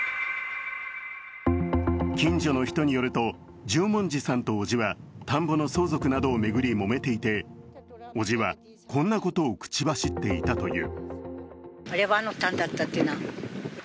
近所の人によると、十文字さんと伯父は田んぼの相続などを巡りもめていて伯父はこんなことを口走っていたという。